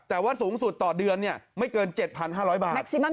แต่ว่าสูงสุดต่อเดือนเนี่ยไม่เกินเจ็ดพันห้าร้อยบาท